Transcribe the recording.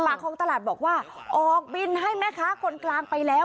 ของตลาดบอกว่าออกบินให้แม่ค้าคนกลางไปแล้ว